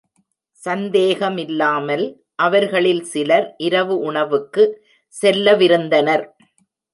சந்தேகமில்லாமல், அவர்களில் சிலர் இரவு உணவுக்கு செல்லவிருந்தனர்.